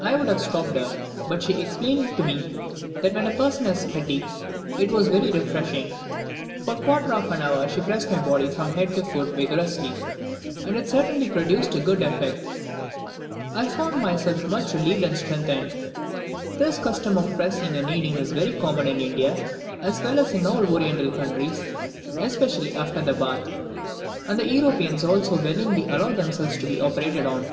I would have stopped her, but she explained to me that when a person was fatigued it was very refreshing. For a quarter of an hour she pressed my body from head to foot vigorously, and it certainly produced a good effect I found myself much relieved and strengthened. This custom of pressing and kneading is very common in India, as well as in all Oriental countries, especially after the bath; and Europeans also willingly allow themselves to be operated upon.